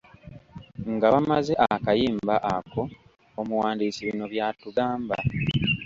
Nga bamaze akayimba ako, omuwandiisi bino by’atugamba: